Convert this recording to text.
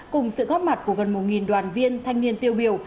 cùng sự góp mặt của gần một đoàn viên thanh niên tiêu biểu